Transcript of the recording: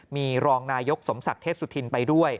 มีรองนายกสมศักดิ์เทพสุธินไปด้วย